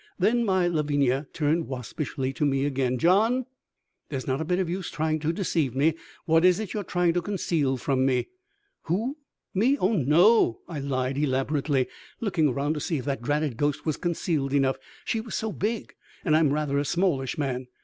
Then my Lavinia turned waspishly to me again. "John, there's not a bit of use trying to deceive me. What is it you are trying to conceal from me?" "Who? Me? Oh, no," I lied elaborately, looking around to see if that dratted ghost was concealed enough. She was so big, and I'm rather a smallish man.